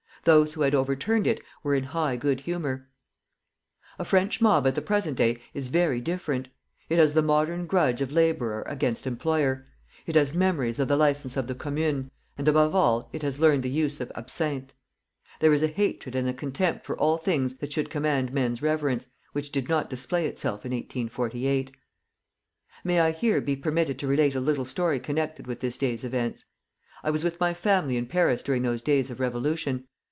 Those who had overturned it were in high good humor. A French mob at the present day is very different. It has the modern grudge of laborer against employer, it has memories of the license of the Commune, and above all it has learned the use of absinthe. There is a hatred and a contempt for all things that should command men's reverence, which did not display itself in 1848. May I here be permitted to relate a little story connected with this day's events? I was with my family in Paris during those days of revolution.